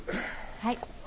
はい。